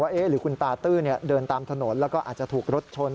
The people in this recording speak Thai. หรือคุณตาตื้อเดินตามถนนแล้วก็อาจจะถูกรถชน